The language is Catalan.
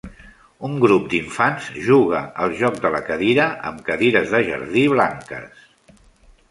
Un grup d'infants juga al joc de la cadira amb cadires de jardí blanques.